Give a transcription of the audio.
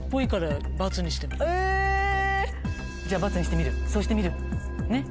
じゃ「×」にしてみるそうしてみるねっ。